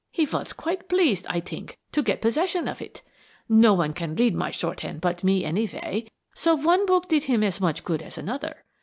"He was quite pleased, I think, to get possession of it. No one can read my shorthand but me, anyway, so one book did him as much good as another.